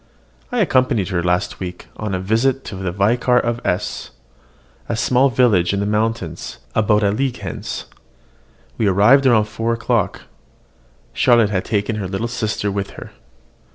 I accompanied her last week on a visit to the Vicar of S , a small village in the mountains, about a league hence. We arrived about four o'clock: Charlotte had taken her little sister with her.